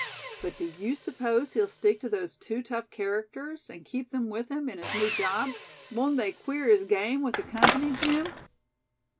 "But do you suppose he'll stick to those two tough characters, and keep them with him in his new job? Won' they queer his game with the company, Jim?"